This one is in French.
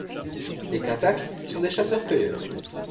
Les Kintaq sont des chasseurs-cueilleurs.